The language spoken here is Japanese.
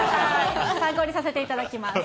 参考にさせていただきます。